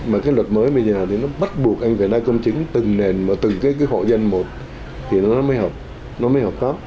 mà cái luật mới bây giờ thì nó bắt buộc anh phải ra công chứng từng nền từng cái hội dân một thì nó mới hợp